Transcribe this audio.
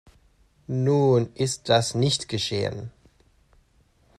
Nun ist das nicht geschehen.